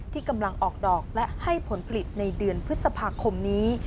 ที่กำลังออกดอกและให้ผลผลิตในเดือนพฤษภาคมนี้